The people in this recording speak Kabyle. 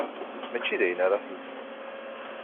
Mačči d ayen ara telseḍ.